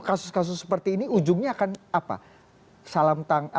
kasus kasus seperti ini ujungnya akan apa